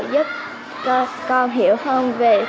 giúp con hiểu hơn về